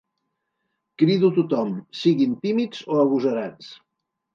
Crido tothom, siguin tímids o agosarats.